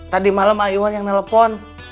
tadi malam ayuan yang telepon